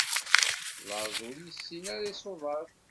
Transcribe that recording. Laẓ ur yessin ara isuḍaf.